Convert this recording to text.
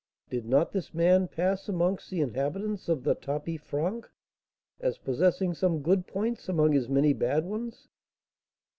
"Did not this man pass amongst the inhabitants of the tapis franc as possessing some good points among his many bad ones?"